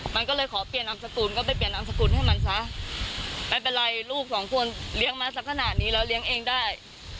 มันก็เลยขอเปลี่ยนนามสกุลก็ไปเปลี่ยนนามสกุลให้มันซะไม่เป็นไรลูกสองคนเลี้ยงมาสักขนาดนี้แล้วเลี้ยงเองได้